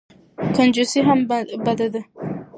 کنجوسي هم بده ده.